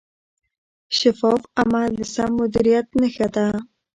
شفاف عمل د سم مدیریت نښه ده.